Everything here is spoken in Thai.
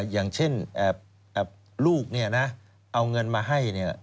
อย่างเช่นลูกเนี่ยนะเอาเงินมาให้เนี่ย